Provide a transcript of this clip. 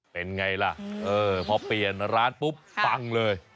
เป็นไงล่ะพอเปลี่ยนร้านปุ๊บปังเลย